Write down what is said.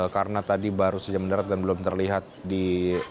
karena tadi baru saja mendarat dan belum terlihat di bandara halim peranakusuma